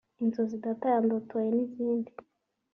Inzozi data Yandoteye n’izindi